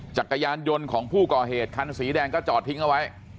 จักรยานยนต์ของผู้ก่อเหตุคันสีแดงก็จอดทิ้งเอาไว้